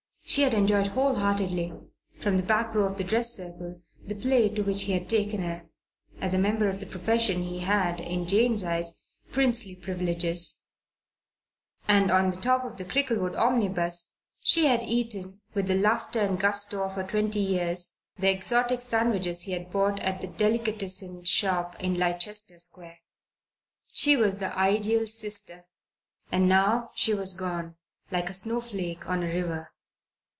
She had enjoyed whole heartedly, from the back row of the dress circle, the play to which he had taken her as a member of the profession he had, in Jane's eyes, princely privileges and on the top of the Cricklewood omnibus she had eaten, with the laughter and gusto of her twenty years, the exotic sandwiches he had bought at the delicatessen shop in Leicester Square. She was the ideal sister. And now she was gone, like a snow flake on a river.